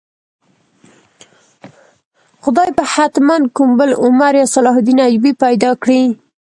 خدای به حتماً کوم بل عمر یا صلاح الدین ایوبي پیدا کړي.